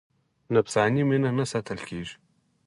نفساني مینه نه ستایل کېږي.